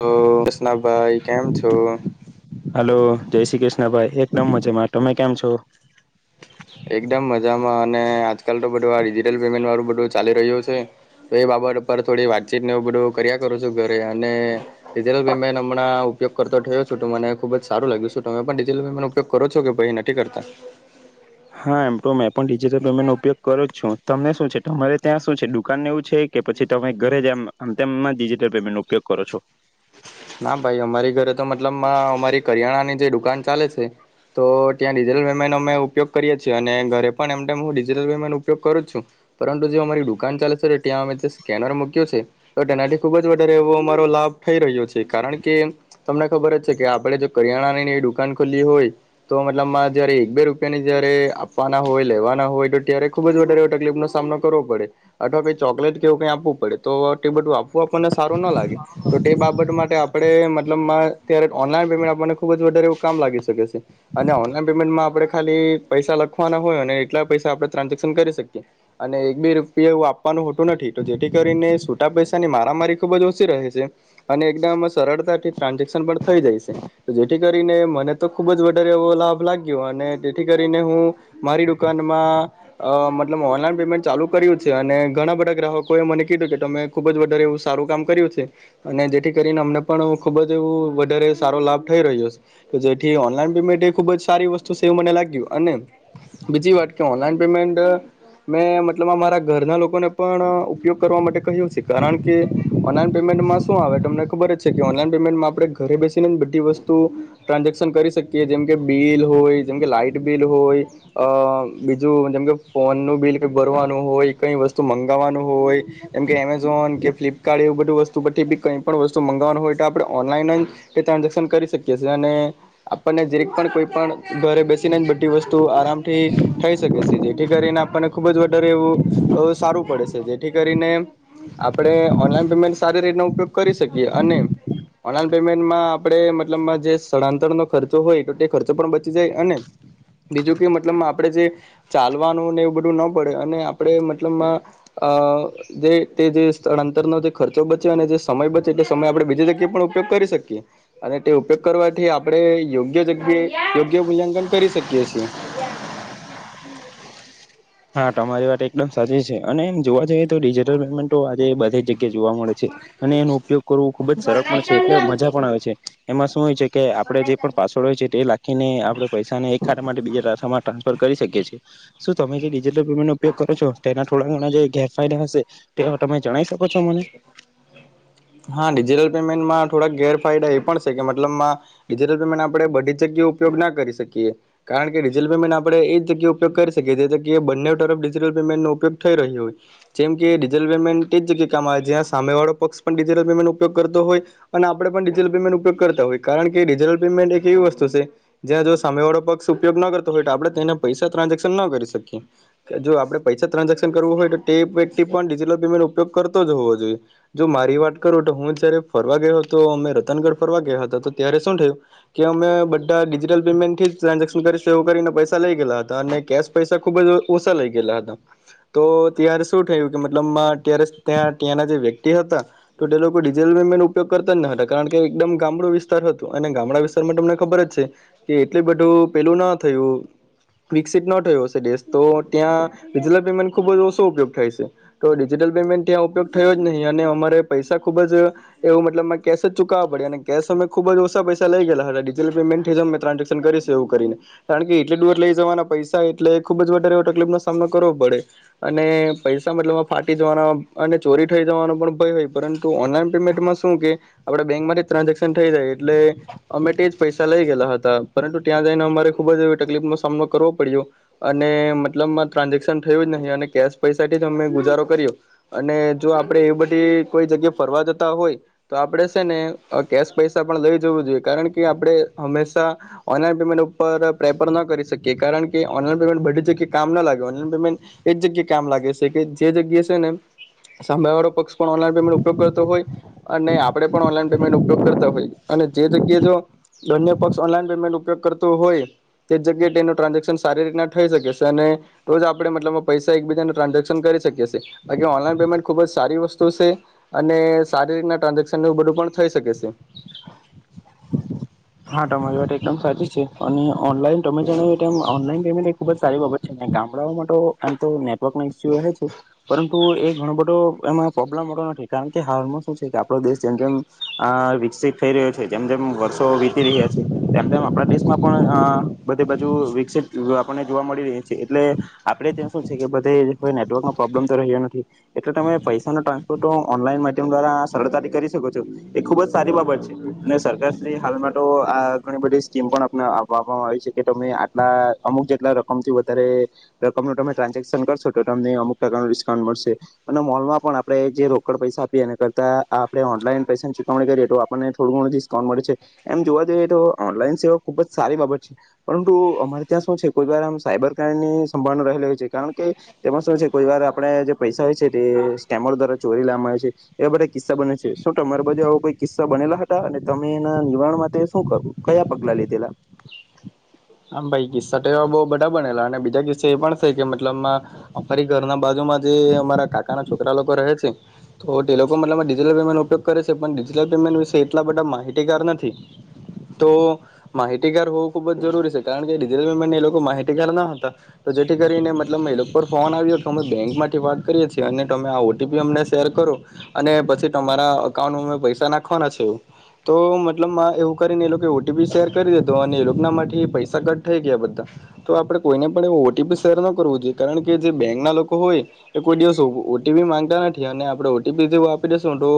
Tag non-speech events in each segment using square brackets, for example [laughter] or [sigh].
હ કસના ભાઈ કેમ છો હલો જય શ્રી કૃષ્ણ ભાઈ એકદમ મજા માં ટમે કેમ છો છો એકદમ મજામાં અને આજકાલ તો બધું આ ડિજિટલ પેમેન્ટ વાળું બધું ચાલી રહ્યું છે તો એ બાબત પર થોડી વાતચીત ને એવું બધું કર્યા કરો છું ઘરે અને ડિજિટલ પેમેન્ટ હમણાં ઉપયોગ કરતો થયો છું તો મને ખૂબ જ સારું લાગ્યું છેું તમે પણ ડિજિટલ પેમેન્ટનો ઉપયોગ કરો છો કે ભછ નથી કરતા હા એમ ટો મે પણ ડિજિટલ પેમેન્ટ નો ઉપયોગ કરો છું તમને શું છે તમારે ત્યાં શું છે દુકાનને એવું છે કે પછી તમે ઘરે જ આમ તેમ ડિજિટલ પેમેન્ટ નો ઉપયોગ કરો છો ના ભાઈ અમારી ઘરે તો મતલબ મા અમારી કરિયાણાની જે દુકાન ચાલે છે તો ત્યાં ડિજિટલ પેમેન્ટનો અમે ઉપયોગ કરીએ છીએ અને ઘરે પણ એમમ હું ડિજિટલ પેમેન્ટનો ઉપયોગ કરું છું પરંતુ જે અમારી દુકાન ચાલે છે તો ત્યાં અમે જે સ્કેનર મૂક્યો છે તો તેનાથી ખુબ જ વધારે એવો અમારો લાભ થઇ રહ્યો છે કારણ કે તમને ખબર જ છે કે આપણે જો કરિયાણાની દુકાન ખોલ્લી હોય તો મતલબમાં જયારે એક બે રૂપિયાની જયારે આપવાના હોય લેવાના હોય તો ત્યારે ખુબ જ વધારે તકલીફનોો સામનો કરવો પડે અથવા કઈ ચોકલેટ કેવું કઈ આપવું પડે તો તે બધું આપવું આપણને સારું ના લાગે તો તે બાબત માટે આપણે મતલબ મા ત્યારે ઓનલાઈન પેમેન્ટ આપને ખુબ જ વધારે એવું કામ લાગી શકે છે અને ઓનલાઈન પેમેન્ટમાં આપણે ખાલી પૈસા લખવાના હોય ને એટલા પૈસા આપણે ટ્રાન્ઝેક્શન કરી શકીએ અને એક બે રૂપિયા એવું આપવાનું હોતું નથી તો જેથી કરીને છૂટા પૈસાની મારામારી ખુબ જ ઓછી રહે છે અને એકદમ સરળતાથી ટ્રાન્ઝેક્શન પણ થઈ જાય છે જેથી કરીને મને તો ખૂબ જ વધારે એવો લાભ લાગ્યો અને જેથી કરીને હું મારી દુકાનમાં મતલબ ઓનલાઈન પેમેન્ટ ચાલુ કર્યું છે અને ઘણા બધા ગ્રાહકોએ મને કીધું કે તમે ખૂબ જ વધારે એવું સારું કામ કર્યું છે અને જેથી કરીને અમને પણ ખૂબ જ એવું વધારે સારો લાભ થઈ રહ્યો છે જેથી ઓનલાઈન પેમેન્ટ એ ખુબ જ સારી વસ્તુ છે એવું મને લાગ્યું અને બીજી વાત કે ઓનલાઈન પેમેન્ટ મેં મતલબ અરા ઘરના લોકોને પણ ઉપયોગ કરવા માટે કહ્યું છે કારણ કે ઓનલાઈન પેમેન્ટમાં શું આવે તમને ખબર જ છે કે ઓનલાઈન પેમેન્ટમાં આપણે ઘરે બેસીને બધી વસ્તુ ટ્રાન્ઝેક્શન કરી શકીએ જેમ કે બિલ હોય જેમ કે લાાઈટ બિલ હોય બીજું જેમકે ફોનનું બિલ કંઈ ભરવાનું હોય કંઈ વસ્તુ મંગાવવાનું હોય જેમ કે એમેઝોન કે ફ્લિપકાર્ટ એવું બધું વસ્તુ પછી બી કંઈ પણ વસ્તુ મંગાવવાનું હોય તો આપણે ઓનલાઈન જ કે ટ્રાન્ઝેક્શન કરી શકીએ છીએ અને આપણને જેરેક પણ કોઈ પણ ઘરે બેસીને જ બધી વસ્તુ આરામથી થઈ શકે છે જેથી કરીને આપણને ખૂબ જ વધારે એવું સારું પડે છે જેથી કરીને આપણે ઓનલાઈન પેમેન્ટ સારી રીતનો ઉપયોગ કરી શકીએ અને ઓનલાઈન પેમેન્ટમાં આપણે મતલબમાં જે સ્થળાંતર ન ખર્ચો હોય તો તે ખર્ચો પણ બચી જાય અને બીજું કે મતલબ આપણે જે ચાલવાનુંને એવું બધું ન પડે અને આપણે મતલબમાં અ જે તે જે સ્થળાંતરનો જે ખર્ચો બચ્યો અને જે સમય બચે એટલે સમય આપણે બીજી જગ્યાએ પણ ઉપયોગ કરી શકીએ અને તે ઉપયોગ કરવાથી આપણે યોગ્ય જગ્યાએ યોગ્ય મૂલ્યાંકન કરી શકીએ છીએ હા તમારી વાત એકદમ સાચી છે અને એમ જોવા જઈએ િજટલ પેમેન્ટો આજે બધી જગ્યાએ જોવા મળે છે અને એનો ઉપયોગ કરવો ખુબ જ સરળ પણ છે એટલે મજા પણ આવે છે એમાં શું હોય છે કે આપડે જે પણ પાસવર્ડ હોય છે તે લખીને આપડે પૈસા ને એકા માટે બીજામાં ટ્રાન્સફર કરી શકીી એ છે શું તમે ેમેન્ટ ઉપયોગ કરો છો તેના થોડા ઘણા જે ગેરફાયદા હશે તે તમે જણાય શકો છો મને હા ડિજિટલ પેમેન્ટમાં થોડાક ગેરફાયદા એ પણ છે કે મતલબ ડિજિટલ પેમેન્ટ આપણે બધી જ જગ્યાએ ઉપયોગ ના કરી શકીએ કારણ કે ડિજિટલ પેમેન્ટ આપણે એ જગ્યા ઉપયોગ કરી શકીએ જે જગ્યાએ બંને તરફ ડિજટલ પેમેન્ટ ન ઉપયોગ થઈ રહ્યો હોય જેમ કે ડિજિટલ પેમેન્ટ એ જગ્યા કમાં આવે જ્યાં સામેવાળો પક્ષ ડિજિટલ પેમેન્ટ ઉપયોગ કરતો હોય અને આપણે પણ ડિજિટલ પેમેન્ટ ઉપયોગ કરતા હોય કારણ કે ડિજિટલ પેમેન્ટ એક એવી વસ્તુ સે જ્યાં જો સામે વાળો પક્ષ ઉપયોગ ન કરતો હોય તો આપણે તેના પૈસા ટ્રાન્ઝેક્શન ના કરી શકીએ જો આપણે પૈસા ટ્રાન્ઝેક્શન કરવું હોય તો ટે વ્યક્તિ પણ ડિજિટલ પેમેન્ટ ઉપયોગ કરતો જ હોવો જોઈએ. [unintelligible] વાત કરું તો હું જયારે ફરવા ગયો હતો અમે રતનગઢ ફરવા ગયા હતા તો ત્યારે શું થયું કે અમે બધા ડિજિટલ પેમેન્ટ થી જ ટ્રાન્ઝેક્શન કરી સુ એવું કરીને પૈસા લઈ ગય હતા અને કેશ પૈસા ખુબ જ ઓછા લઇ ગયેલા હતા તો ત્યારે શું થયું કે મતલબ્યારે ત્યાં ત્યાંના જે વ્યક્તિ હતા તો તે લોકો ડિજિટલ પેમેન્ટ ઉપયોગ કરતા જ ન હતા કારણ કે એકદમ ગામડું વિસ્તાર હતું અને ગામડા વિસ્તારમાં તમને ખબર જ છે કે એટલે બધું પેલું ન થયું વિકસિત ન થયું હશે દેશ તો ત્યાં ડિજટલ પેમેન્ટ ખુબ જ ઓસો ઉપયોગ થાય સે તો ડિજિટલ પેમેન્ટ ત્યાં ઉપયોગ થયો જ નહીં અને અમારે પૈસા ખુબ જ એવું મતલબમાં કેશ જ ચુકવવા પડે અને કેશ અમે ખૂબ જ ઓછા પૈસા લઇ ગયેલા હતાટ ડિજિટલ પેમેન્ટ થઈ જ અમે ટ્રાન્ઝેક્શન કરીશ એવું કરીને કારણ કે એટલે દૂર લઈ જવાના પૈસા એટલે ખુબ જ વધારે એવો તકલીફ નો સામનો કરવો પડે અને પૈસા મતલબ ફાટી જવાના અને ચોરી થઈ જવાનો પણ ભય હોય પરંતુ ઓનલાઈન પેમેન્ટમાં શું કે આપણે બેંકમાંથી જ ટ્રાન્ઝેક્શન થઈ જાય એટલે અમે તે જ પૈસા લઈ ગયેલા હતા પરંતુ ત્યાં જઈને અમારે ખૂબ જ એવી તકલીફનો સામનો કરવો પડ્યો અને મતલબમાં ટ્રાન્ઝેક્શન થયું જ નહીં અને કેશ પૈસાથી જ અમે ગુજારો કર્યો અને જો આપણે એ બધી ગ્યા ફરવા જતા હોય તો આપડે છે ને કેશ પૈસા પણ લઈ જવું જોઈએ કારણ કે આપે હંમેશા ઓનલાઈન પેમેન્ટ ઉપર પ્રેફર ના કરી શકીએ કારણ કે ઓનલાઈન પેમેન્ટ બધી જગ્યાએ કામ ના લાગે ઓનલાઇન પેમેન્ટ એ જગ્યા કામ લાગે છે કે જે જગ્યા છે ને સાભ વાળો પક્ષ પણ ઓનલાઈન ઉપતો હોય અને આપણે પણ ઓનલાન પેમેન્ટ ઉપયોગ કરતા હોય અને જે જગ્યાએ જો બંને પક્ષ ઓનલાન પેમેન્ટ ઉપયોગ કરતો હોય તે જગ્યાએ તેનું ટ્રાન્ઝેક્શન સારી રીતના થઈ શકે છે અને રોજ આપણે મતલબમાં પૈસા એકબીજાનું ટ્રાન્ઝેક્શન કરી શકીએીએ બાકી ઓનલાઈન પેમેન્ટ ખુબ જ સારી વસ્તુ છે અને સારી રીતના ટ્રાન્ઝેક્શન ને એવૂબધું પણ થઇ શકે છે હા તમારી વાત એકદમ સાચી છે અને ઓનલાન તમે જો એનલા [unintelligible] ખુબ જ સારી બાબત છે. ગામડાઓ માટો આમ તો નેટવર્ક નુ ઇસ્યુ રહે છે. પરંતુ એ ઘણો બધો એમાં પ્રોબ્લેમો નથી. કારણ કે હાલમાં શું છે, કે આપડો દેશ જેમ જેમ આહ વિક સિત થઈ રહ્યો છે. જેમ જેમ વ સો વીતી રહ્યા છે. તેમ તેમ આપણા દેશમાં પણ હાઆઆ બધી બાજુ વિકસિત આપણને જોવા મળી રહી છે. એટલે આપણે ત્યાં શું છે કે બધેય [inaudible] નેટવર્કનો પ્રોબ્લેમ તો રહ્યો નથી. એટલે તમે પૈસા ન તા તો તો હું ઓનલાઈન માધ્યમ દ્વારા સરળતાથી કરી શકો છો. એ ખુબ જ સારી બાબત છે. ને સરકાર સી હાલમાં તો આ ઘણી બધી સ્કીમ પણ આપને આપ આપવામાં આવી છે. કે તમે આટલા અમુક જેટલા રકમ થી વધારે રકમ ન તમે ટ્રાન્ઝેક્શન કરશો, તો તમને અમુક ટકાનું ડિસ્કાઉન્ટ મળશે. અને મોલમાં પણ આપણે જે રોકડ પૈસા આપીએ એના કરતા આપણે ઓનલાઈન પૈસાની ચુકવણી કરીએ તો આપણને થોડું ઘણું ડિસ્કાઉન્ટ મળે છે. એમ જોવા જઈએ તો, ઓનલાઈન સેવા ખુબ જ સારી બાબત છે. પરંતુ અમારે ત્યાં શું છે? કોઈ વાર આમ સાયબર ક્રાઈમની સંભાવના રહે રહેલ છે. કારણ કે તેમાં શું છે? કોઈ વાર આપણે જે પૈસા હોય છે તે સ્કેમર દ્વારા ચોરી લેવામાં આવે છે. એવા બધા કિસ્સા બને છે. શું તમારે બાજુ આવો કોઈ કિસ્સા બનેલા હતા? અને તમે એના નિવારણ માટે શું કર, કયા પગલા લીધેલા? આમ ભાઈ કિસ્સા તો એવા બહૂ બધા બનેલા, અને બીજા કિસ્સા એ પણ છે કે, મતલબમાં અ ફરી ઘરના બાજુમાં જે અમારા કાકાના છોકરા લોકો રહે છે. તો તે લોકો મતલબ ડિજિટલ પેમેન્ટ ન ઉપયોગ કરે છે. પણ ડિજિટલ પેમેન્ટ વિશે એટલા બધા માહિતીગાર નથી, તો માહિતીગાર હોવું ખુબ જ જરૂરી છે. કારણ કે, ડિજટલ પેમેન્ટથી એ લોકો માહિતીગાર ન હતા. તો જેથી કરીને મતલબ એ લોકો પર ફોન આવ્યો હતો, અમે બેંકમાંથી વાત કરીએ છીએ અને તમે આ ઓટીપી અમને શેર કરો અને પછી તમારા અકાઉન્ટમાં અમે પૈસા નાખવાના છે. એવું તો મતલબમા એવું કરીને એ લોકો ઓટીપી શેર કરી દીધા અને એ લોકોનામાથી પૈસા પૈસા કટ થઈ ગયા બધા. તો આપડે કોઈને પણ એ ઓટીપી શેર ન કરવું જોઈએ. કારણ કે, જે બેંક ના લોકો હોય, એ કોઈ દિવસ ઓ ઓ ઓટીપી માંગતા નથી. અને આપણે ઓટીપી જેવું આપી દેશું તો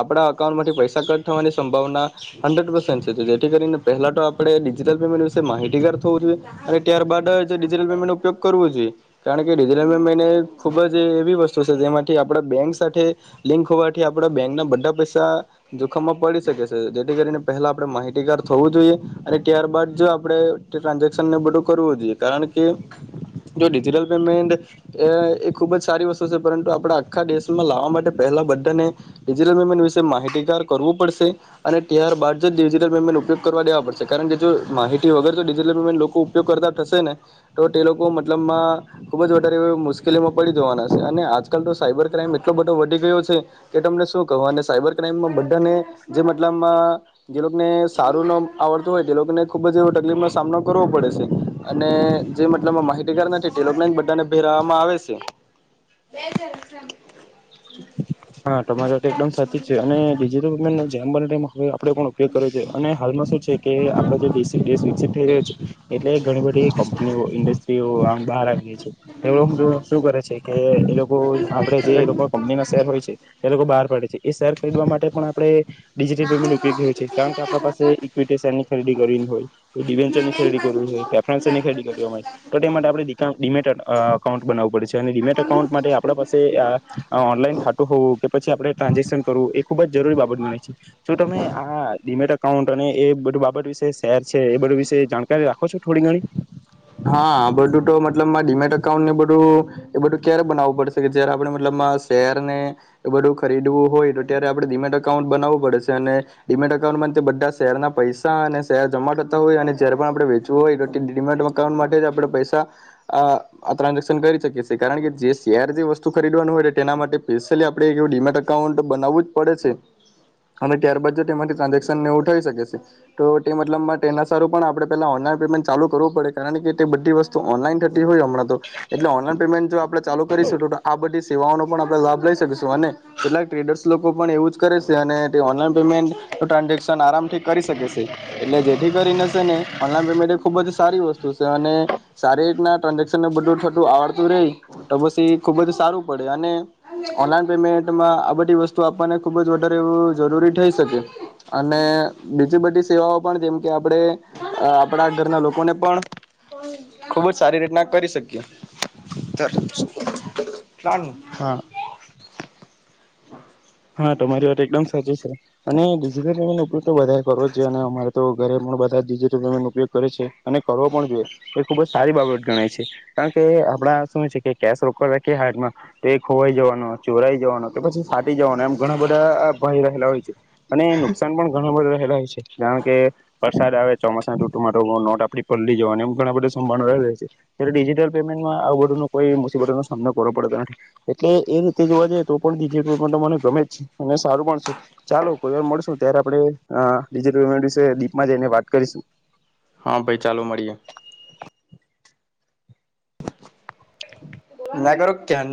આપણા અકાઉન્ટમાંથી પૈસા કટ થવાની સંભાવના હંડ્રેડ પર્સેન્ટ છે. જેથી કરીને પહેલા તો આપણે ડિજિટલ પેમેન્ટ વિશે માહિતી ટિગર થવું જોઈએ. અને ત્યારબાદ જ ડિજિટલ પેમેન્ટનો ઉપયોગ કરવો જોઈએ. કારણ કે ડિજિટલ પેમેન્ટ ખૂબ જ એવી વસ્તુ છે, જેમાંથી આપણા બેંક સાથે લિંક હોવાથી આપડા બેંકના બધા પૈસા જોખમમાં પડી શકે છે. જેથી કરીને પહેલા આપણે માહિતીગાર થવું જોઈએ અને ત્યારબાદ જ આપણે ટ્રાન્ઝેક્શનને બધું કરવું જોઈએ. કારણ કે જો ડિજિટલ પેમેન્ટ એ એ ખુબ જ સારી વસ્તુ છે. પરંતુ, આપણે આખા દેશમાં લાવવા માટે પહેલા બધાને ડિજિટલ પેમેન્ટ વિશે માહિતીગાર કરવું પડશે. અને ત્યારબાદ જ ડિજિટલ પેમેન્ટ ઉપયોગ કરવા દેવા પડશે. કારણ કે જો માહિતી વગર જો ડિજિટલ પેમેન્ટ લોકો ઉપયોગ કરતા થશે ને, તો તે લોકો મતલબમાં ખૂબ જ વધારે એ મુશ્કેલીમાં પડી જવાના છે. અને આજકાલ તો સાયબર ક્રાઈઇમ એટલો બધો વધી ગયો છે. કે તમને શું કહો? અને સાયબર ક્રાઈમમાં બધાને જે મતલબમાં જે લોકોને સારું ન આવડતું હોય તે લોકોને ખૂબ જ એ તકલીફમાં સામનો કરવો પડે સે. અને જે મતલબ માહિતીગાર નથી તે લોકને બધાને ભેરવાંમા આવે છે. [inaudible] હા! ટમારા તો એકદમ સાચી જ છે. અને ડીજીટલ [inaudible] જેમ બ હ [inaudible] આપણે પણ ઉપયોગ કર્યો છે. અને હાલમાં શું છે કે, આપડ જેે દેશી દેશ વિકસિત થઈ રહ્યો છે. એટલે ઘણી બધી કંપનીઓ, ઇન્ડસ્ટ્રીઓ આમ બહાર આવી રહી છે. એ શું કરે છે? કે એ લોકો આપણેે જે એ લોકો કંપનીના શેર હોય છે તે લોકો બહાર પડે છે. એ શેર ખરીદવા માટે પણ આપણે ડિજિટલ પેમેન્ટ ઉપયોગી હોય છે. કારણ કે આપણા પાસે ઈક્વિટી શેર ની ખરીદી કરવી હોય, ડિવેન્ચર ની ખરીદી કરવી હોય, પ્રેફન્સરની ખરીદી કરવી હોય. તો તે માટે આપણે દી ડીમેટેડ અકાઉન્ટ બનાવુ પડે છે. ડીમેટ એકાઉન્ટ માટે આપણા પાસે ઓનલાઇન ખાતુ કે પછી આપ ટ્રાન્ઝેશન કરવું એ ખુબ જ જરૂરી બાબત ગણાય છે શું તમે આ ડિમેટ અકાઉન્ટ અને એ બધું બાબત વિશેષ ખેર છે. એ બધું વિશે જાણકારી રાખ હશો થોડી ઘણી હા! આ બધું તો મતલબ મા ડીમેટ અકાઉન્ટને બધું એ બધું ક્યારે બનાવવું પડશે, કે જયારે આપણે મતલબ મા શેર ને એ બધું ખરીદવું હોય તો, ત્યારે આપડણે ડીમેટ અકાઉન્ટ બનાવવું પડેશે, અને ડીમેટ અકાઉન્ટ માટે બધા શેરના પૈસા અને શેર જમા તો હોય, અને જયારે પણ આપણે વેચવું હોય તો ઙિમેટ વખ એકાઉન્ટ માટે જ આપણે પૈસા આ ટ્રાન્ઝેક્શન કરી શકીએ છીએ. કારણ કે, જે શેર જે વસ્તુ ખરીદવાનું હોય તેના માટે સ્પેશિયલી આપણે એવું ડીમાટ અકાઉન્ટ બનાવવું જ પડે છે. અને ત્યારબાદ જ તેમાંથી ટ્રાન્ઝેક્શન એવું થઈ શકે છે. તો તે મતલબ માટે એના સારું પણ આપણે પેલા ઓનલાઈન પેમેન્ટ ચાલુ કરવું પડે. કારણ કે તે બધી વસ્તુ ઓનલાઈન થતી હોય હમણાં તો, એટલે ઓનલાઈન પેમેન્ટ જો આપણે ચાલુ કરીશું તો, આ બધી સેવાઓનો પણ આપણે લાભ લઈ શકીશું. અને કેટલાક ટ્રેડર્સ લોકો પણ એવું જ કરે સે અને તે ઓનલાઈન પેમેન્ટ તો ટ્રાન્ઝેક્શન આરામથી કરી શકે સે. એટલે જેથી કરીને શેને ઓનલાઈન પેમેન્ટ એ ખૂબ જ સારી વસ્તુ [inaudible] અને સારી રીતના ટ્રાન્ઝેક્શનનું બધું ઠતું આવડતું રહી, તો પછી એ ખૂબ જ સારું પડે. અને ઓનલાઈન પેમેન્ટમાં આ બધી વસ્તુ આપવાને ખૂબ જ વધારે એવું જરૂરી થઈ શકે, અને બીજી બધી સેવાઓ પણ જેમકે, આપણે આપણા ઘરના લોકોને પણ ખુબ જ સારી રીતના કરી શકીએ. [inaudible] તારનું હા [unintelligible] હા! તમારી વાત એકડમ સાચી છે. અને ડિજિટલ પેમેન્ટ નો ઉપયોગ તો બધાએ કરવો જ અને અમારે તો, ઘરે પણ બધા ડિજિટલ પેમેન્ટ ઉપયોગ કરે છે. અને કરવો પણ જોઈએ એ ખૂબ જ સારી બાબત ગણાય છે. કારણ કે આપડા શું છે? કે કેશ રોકડ રાખીએ હાથમાં તો ખોવાઈ જવાનો, ચોરાઈ જવાનો કે પછી ફા થઈ જવાના, એમ ઘણા બધા આ ભાઈ રહેલા હોય છે. અને, નુકસાન પણ ઘણું બધું રહે. લય છે. જાણ કે વરસાદ આવે ચોમાસાના ઋતુમાં તો લૉન નોટ આપડી પલળી જવાની, એમપણ આપણે [unintelligible] રેસે, ત્યારે ડિજિટલ પેમેન્ટમાં આવું બધુંનો કોઈ મુસીબતોનો સામનો કરવો પડતો નથી, એટલે એ રીતે જોવા જઈએ તો પણ ડિજિ ટલ પેમેન્ટ તો મને ગમે જ, અને સારું પણ છે. ચાલો કોઈ વાર મળશું ત્યારે આપણેે અહ ડિજિટલ પેમેન્ટ વિશે ડીપમાં જઈને વાત કરીશું. હા ભાઈ, ચાલો મળીએ. ના કરો ક્યાન